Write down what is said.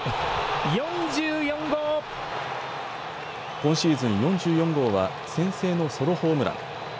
今シーズン４４号は先制のソロホームラン。